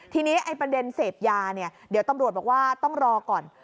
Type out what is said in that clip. ทีนี้ไอ้ประเด็นเสพยาเนี่ยเดี๋ยวตำรวจบอกว่าต้องรอก่อน